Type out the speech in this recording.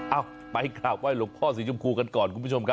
เอาไปกราบไห้หลวงพ่อสีชมพูกันก่อนคุณผู้ชมครับ